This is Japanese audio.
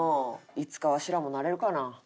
いつかワシらもなれるかな？